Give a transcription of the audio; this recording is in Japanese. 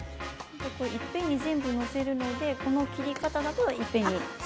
いっぺんに全部載せるのでこの切り方だといっぺんに。